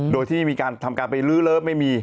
โดยที่มีการทำการไปลื้อเลิฟไม่มี